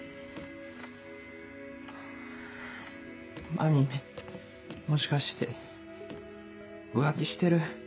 まみんもしかして浮気してる？